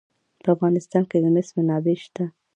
په افغانستان کې د مس منابع شته.